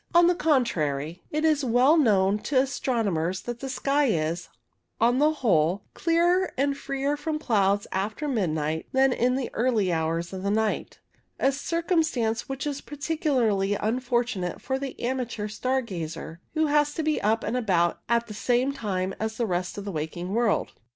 On the contrary, it is well known to astronomers that the sky is, on the whole, clearer and freer from clouds after midnight than in the earlier hours of the night — a circumstance which is particularly unfortunate for the amateur star gazer, who has to be up and about at the same tin^e as the rest of the working world.